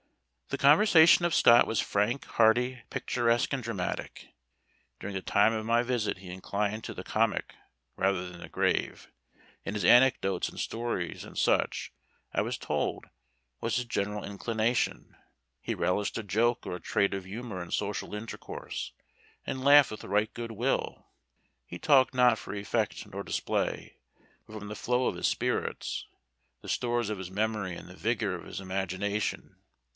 The conversation of Scott was frank, hearty, picturesque, and dramatic. During the time of my visit he inclined to the comic rather than the grave, in his anecdotes and stories, and such, I was told, was his general inclination. He relished a joke, or a trait of humor in social intercourse, and laughed with right good will. He talked not for effect nor display, but from the flow of his spirits, the stores of his memory, and the vigor of his imagination.